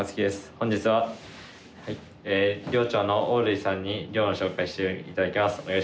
本日は寮長の大類さんに寮の紹介していただきます。